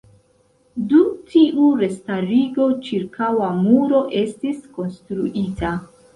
Dum tiu restarigo ĉirkaŭa muro estis konstruita.